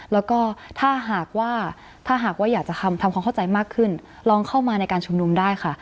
แล้วก็ถ้าหากว่าถ้าหากว่าอยากจะทำความเข้าใจมากขึ้นลองเข้ามาในการชุมนุมได้ค่ะ